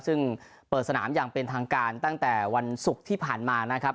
ซึ่งเปิดสนามอย่างเป็นทางการตั้งแต่วันศุกร์ที่ผ่านมานะครับ